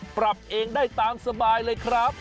ปรับเองได้ตามสบายเลยครับ